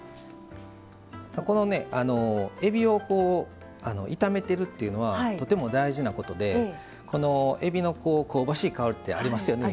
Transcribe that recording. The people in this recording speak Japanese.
えびを炒めているっていうのはとても大事なことでえびの香ばしい香りってありますよね。